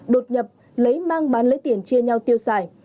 đột nhập lấy mang bán lấy tiền chia nhau tiêu xài